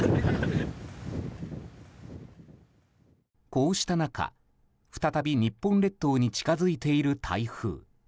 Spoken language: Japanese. こうした中、再び日本列島に近づいている台風。